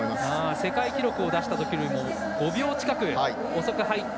世界記録を出したときより５秒近く遅く入った。